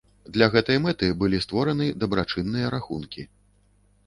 Для гэтай мэты былі створаны дабрачынныя рахункі.